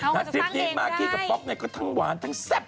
นักศิษย์นี้มาร์คีกับป๊อกก็ทั้งหวานทั้งแซ่บ